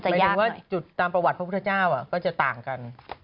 หมายถึงว่าจุดตามประวัติพระพุทธเจ้าก็จะต่างกัน